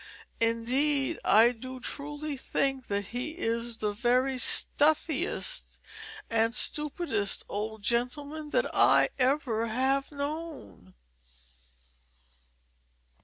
Indeed, I do truly think that he is the very stuffiest and stupidest old gentleman that I ever have known."